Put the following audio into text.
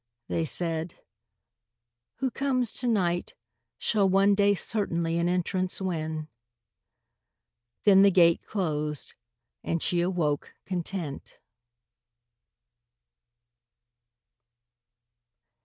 They said, "Who comes to night Shall one day certainly an entrance win;" Then the gate closed and she awoke content.